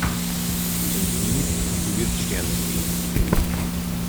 Ein Hieb und du wirst Sterne sehen.